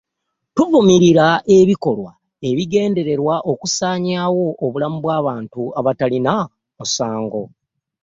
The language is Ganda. Tuvumirira ebikolwa ebigendererwa okusaanyaawo obulamu bw'abantu abatalina musango.